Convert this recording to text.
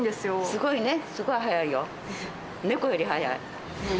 すごいね。